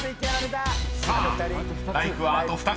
［さあライフはあと２つ。